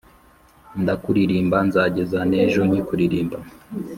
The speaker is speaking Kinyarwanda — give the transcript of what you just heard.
Ndakuririmba nzageza nejo nkikuririmba